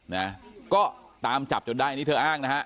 นะฮะก็ตามจับจนได้อันนี้เธออ้างนะฮะค่ะ